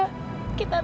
kita tak tahu